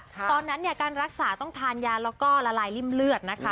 ตอนนั้นรักษาต้องทานยาเราก็ละลายริ่มเลือด